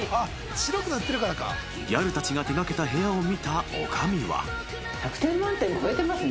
［ギャルたちが手掛けた部屋を見た女将は］